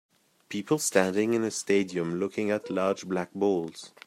people standing in a stadium looking at large black balls.